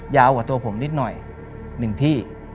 ยาวกว่าตัวผมนิดหน่อย๑ที่